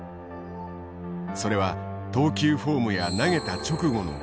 それは投球フォームや投げた直後の軌道。